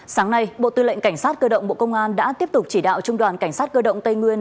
sáng nay bộ tư lệnh cảnh sát cơ động bộ công an đã tiếp tục chỉ đạo trung đoàn cảnh sát cơ động tây nguyên